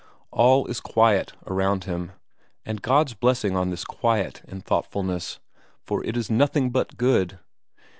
All is quiet around him, and God's blessing on this quiet and thoughtfulness, for it is nothing but good!